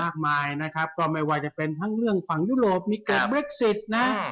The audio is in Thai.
มากมายนะครับก็ไม่ว่าจะเป็นทั้งเรื่องฝั่งยุโรปมีกลุ่มเม็กซิตนะ